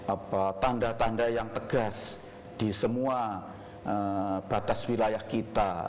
apa tanda tanda yang tegas di semua batas wilayah kita